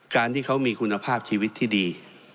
การที่เขามีคุณภาพชีวิตที่ดี